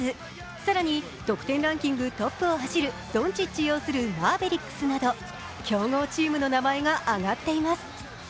更に得点ランキングトップを走るドンチッチ擁するマーベリックスなど強豪チームの名前が挙がっています。